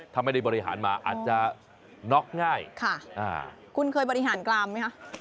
ถ้าไม่ได้บริหารมาอาจจะน็อกง่ายคุณเคยบริหารกรามไหมคะ